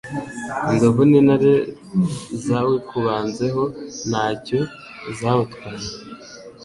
inzovu n'intare zawikubanzeho ntacyo zawutwaye